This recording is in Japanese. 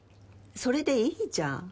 それでいいじゃん。